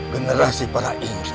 generasi para inggris